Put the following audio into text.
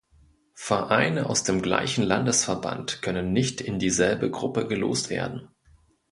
Vereine aus dem gleichen Landesverband können nicht in dieselbe Gruppe gelost werden.